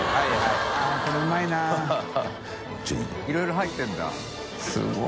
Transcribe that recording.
いろいろ入ってるんだすごい。